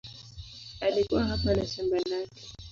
Alikuwa hapa na shamba lake.